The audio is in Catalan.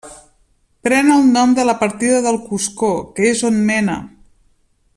Pren el nom de la partida del Coscó, que és on mena.